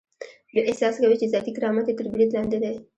دوی احساس کوي چې ذاتي کرامت یې تر برید لاندې دی.